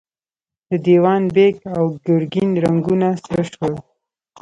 د دېوان بېګ او ګرګين رنګونه سره شول.